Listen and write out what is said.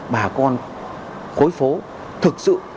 bà con khối phố thực sự